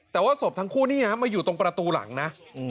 แต่ว่าศพทั้งคู่นี่นะมาอยู่ตรงประตูหลังนะ